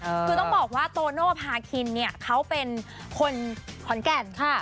คือต้องบอกว่าโตโน่พาคินเนี่ยเขาเป็นคนขอนแก่นค่ะ